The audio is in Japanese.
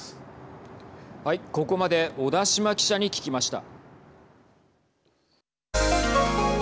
ここまで小田島記者に聞きました。